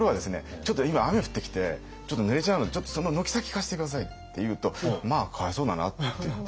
「ちょっと今雨降ってきてちょっとぬれちゃうのでその軒先貸して下さい」って言うと「まあかわいそうだな」って言って。